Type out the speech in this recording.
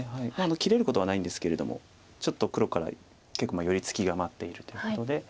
切れることはないんですけれどもちょっと黒から結構寄り付きが待っているということで。